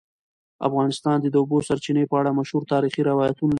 افغانستان د د اوبو سرچینې په اړه مشهور تاریخی روایتونه لري.